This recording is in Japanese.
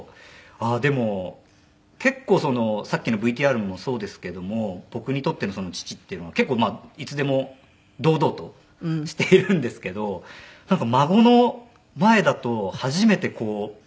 でも結構さっきのＶＴＲもそうですけども僕にとっての父っていうのは結構いつでも堂々としているんですけどなんか孫の前だと初めてこう。